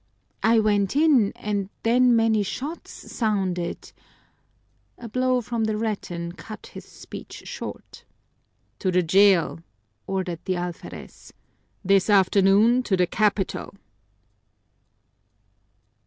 I went in and then many shots sounded " A blow from the rattan cut his speech short. "To the jail," ordered the alferez. "This afternoon, to the capital!"